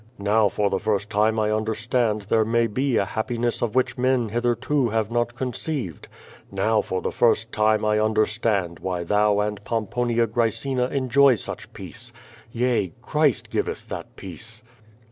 Now for the first time I understand there mav be a happiness of which men hitherto have not conceived. Now for the first time I understand why thou and Pomponia Graecina enjoy such peace. Yea, Christ giveth that peace!"